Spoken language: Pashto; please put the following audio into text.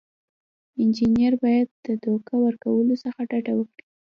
انجینر باید د دوکه ورکولو څخه ډډه وکړي.